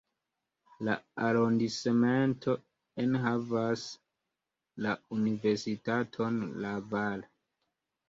La arondismento enhavas la universitaton Laval.